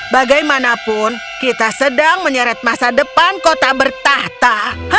bagaimanapun kita sedang menyeret masa depan kota bertahta